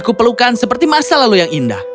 aku pelukan seperti masa lalu yang indah